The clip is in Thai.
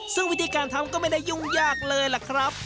ซึ่งวิธีการทำก็ไม่ได้ยุ่งยากเลยล่ะครับ